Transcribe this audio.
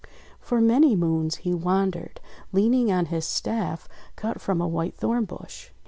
For many moons he wandered, leaning on his staff cut from a White Thorn bush.